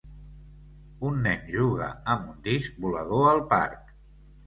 Un nen juga amb un disc volador al parc.